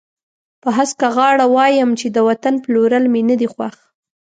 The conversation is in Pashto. په هسکه غاړه وایم چې د وطن پلورل مې نه دي خوښ.